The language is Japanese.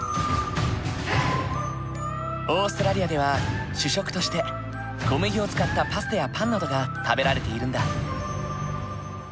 オーストラリアでは主食として小麦を使ったパスタやパンなどが食べられているんだ。